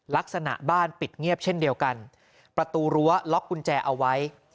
ลักษณะบ้านปิดเงียบเช่นเดียวกันประตูรั้วล็อกกุญแจเอาไว้